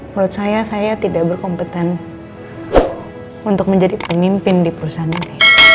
menurut saya saya tidak berkompeten untuk menjadi pemimpin di perusahaan ini